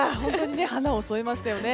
花を添えましたね。